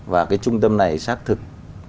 và cái trung tâm này xác thực